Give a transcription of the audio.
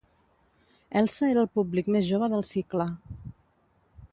Elsa era el públic més jove del cicle.